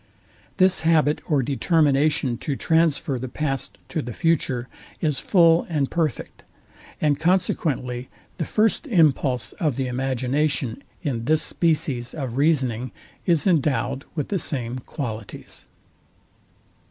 This habit or determination to transfer the past to the future is full and perfect; and consequently the first impulse of the imagination in this species of reasoning is endowed with the same qualities.